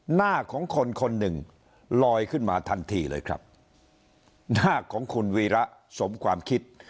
หน้าของคนคนหนึ่งลอยขึ้นมาทันทีเลยครับหน้าของคุณวีระสมความคิด